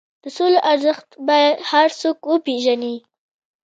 د سولې ارزښت باید هر څوک وپېژني.